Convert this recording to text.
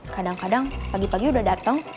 kadang kadang pagi pagi udah datang